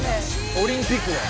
オリンピックだよ。